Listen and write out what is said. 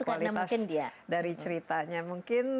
kualitas dari ceritanya mungkin